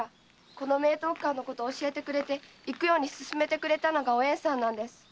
この明徳館のことを教えてくれて行くように勧めてくれたのがおえんさんなんです。